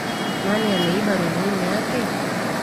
Nani ameiba rununu yake?